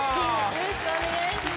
よろしくお願いします